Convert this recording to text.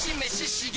刺激！